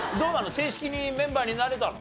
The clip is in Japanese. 正式にメンバーになれたの？